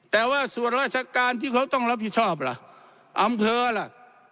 แต่ว่าส่วนราชการที่เขาต้องรับผิดชอบล่ะอำเภอล่ะ